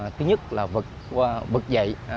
thứ nhất là vực dậy